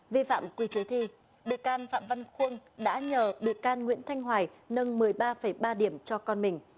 vi phạm quy chế thi bị can phạm văn khuôn đã nhờ bị can nguyễn thanh hoài nâng một mươi ba ba điểm cho con mình